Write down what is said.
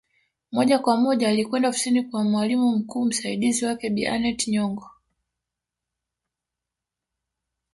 Moja kwa moja alikwenda ofisini kwa mwalimu mkuu msaidizi wake Bi Aneth Nyongo